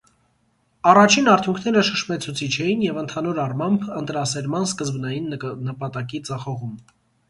Առաջին արդյունքները շշմեցուցիչ էին և ընդհանուր առմամբ ընտրասերման սկզբնային նպատակի ձախողում։